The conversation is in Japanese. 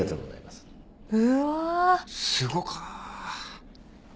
すごか。